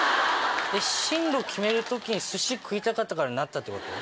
進路決める時に寿司食いたかったからなった？